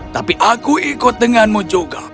tapi aku ikut denganmu juga